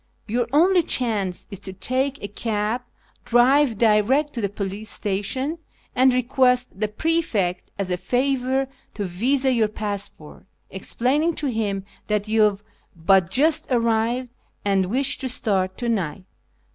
Your only chance is to take a cab, drive direct to the police station, and request the prefect as a favour to visa your passport, explaining to him that you have but just arrived and wish to start to night."